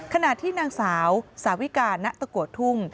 ขณะที่นางสาวสาวิกาณตะโกทุ่ง